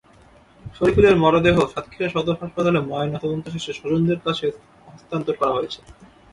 শরিফুলের মরদেহ সাতক্ষীরা সদর হাসপাতালে ময়নাতদন্ত শেষে স্বজনদের কাছে হস্তান্তর করা হয়েছে।